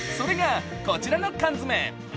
それが、こちらの缶詰。